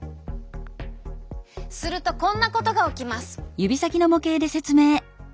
するとこんなことが起きます。